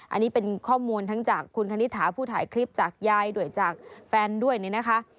อันนี้เป็นข้อมูลทั้งจากคุณคณิตถาผู้ถ่ายคลิปจากยายด้วยจากแฟนด้วยเนี่ยนะคะ